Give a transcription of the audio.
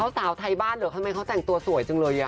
สาวไทยบ้านเหรอทำไมเขาแต่งตัวสวยจังเลย